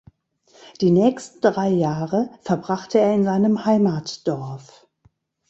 Die nächsten drei Jahre verbrachte er in seinem Heimatdorf.